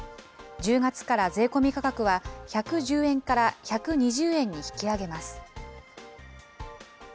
１０月から税込み価格は１１０円から１２０円に引き上げます。